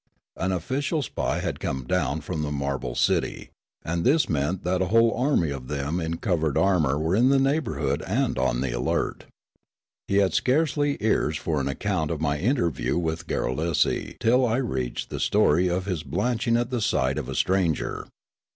An official spy had come down from the marble city ; and this meant that a whole army of them in covered armour were in the neighbourhood and on the alert. He had scarcely ears" for an account of my interview with Garrulesi till I reached the story of his blanching at the sight of a stranger.